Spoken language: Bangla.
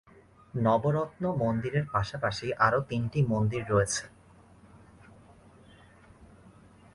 নবরত্ন মন্দিরের পাশাপাশি আরও তিনটি মন্দির রয়েছে।